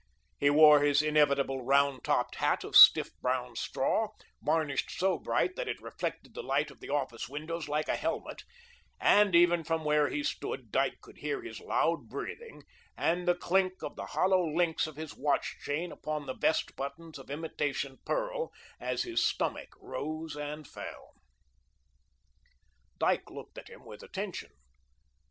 He wore his inevitable round topped hat of stiff brown straw, varnished so bright that it reflected the light of the office windows like a helmet, and even from where he stood Dyke could hear his loud breathing and the clink of the hollow links of his watch chain upon the vest buttons of imitation pearl, as his stomach rose and fell. Dyke looked at him with attention.